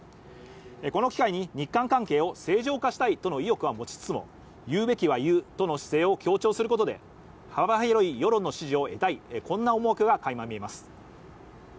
この機会に日韓関係を正常化したいという意欲は持ちつつも、言うべきは言うという姿勢を強調することで、幅広い世論の支持を得たいこんな思惑がかいま見えます。